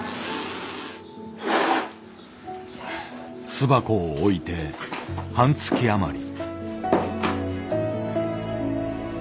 巣箱を置いて半月余り。